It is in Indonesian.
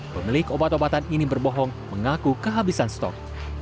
pemilik obat obatan ini berbohong mengaku kehabisan stok